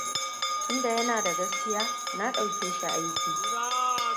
Tunda yana da gaskiya, na ɗauke shi aiki.